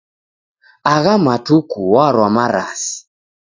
Agha matuku warwa marasi.